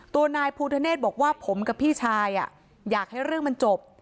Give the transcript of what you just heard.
ตัวนายภูทะเนธบอกว่าผมกับพี่ชายอยากให้เรื่องมันจบ